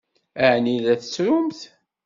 Ɛni la tettrumt?